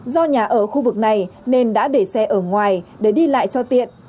do nhà ở khu vực này nên đã để xe ở ngoài để đi lại cho tiện